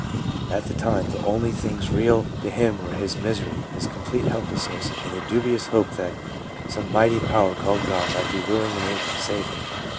At the time the only things real to him were his misery, his complete helplessness, and a dubious hope that some mighty power called God might be willing and able to save him.